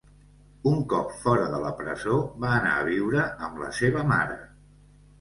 Un cop fora de la presó, va anar a viure amb la seva mare.